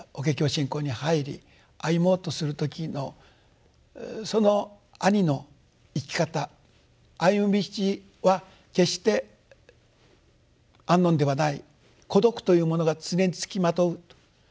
信仰に入り歩もうとする時のその兄の生き方歩む道は決して安穏ではない孤独というものが常に付きまとうと。